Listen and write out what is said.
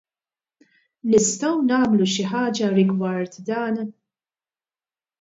Nistgħu nagħmlu xi ħaġa rigward dan?